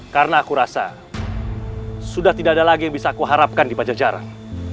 karena aku rasa sudah tidak ada lagi yang bisa aku harapkan di pajajaran